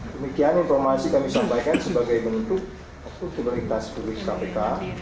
demikian informasi kami sampaikan sebagai bentuk kultu berintas kuli kpk